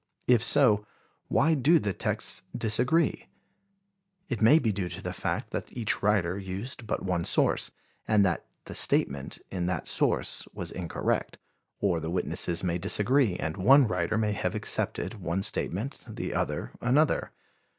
If so, why do the texts disagree? It may be due to the fact that each writer used but one source, and that the statement in that source was incorrect, or the witnesses may disagree and one writer may have accepted one statement, the other another.